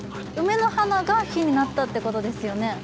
梅の花が火になったってことですよね。